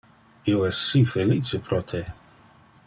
Io es si felice pro te.